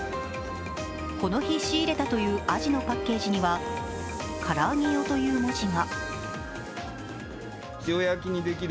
この日、仕入れたというアジのパッケージには唐揚げ用という文字が。